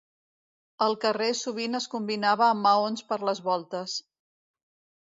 El carreu sovint es combinava amb maons per les voltes.